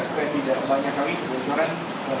supaya tidak banyak lagi kebocoran